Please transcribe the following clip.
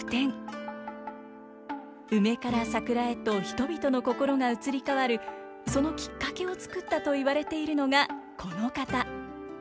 梅から桜へと人々の心が移り変わるそのきっかけを作ったといわれているのがこの方。